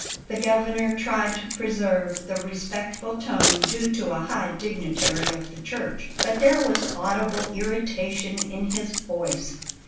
The Governor tried to preserve the respectful tone due to a high dignitary of the Church; but there was audible irritation in his voice.